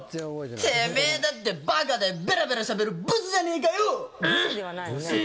てめえだってバカでベラベラしゃべるブスじゃねえかよ！